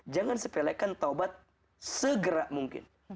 jangan sepelekan taubat segera mungkin